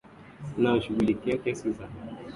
inayoshughulikia kesi za mauaji halaiki ya rwanda